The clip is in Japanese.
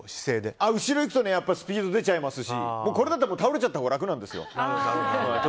後ろにいくとスピード出ちゃいますしこれだったら倒れちゃったほうが楽なんですよ。